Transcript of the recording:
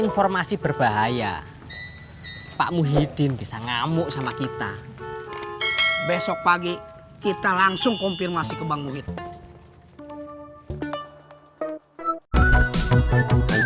informasi berbahaya pak muhyiddin bisa ngamuk sama kita besok pagi kita langsung konfirmasi kebangunan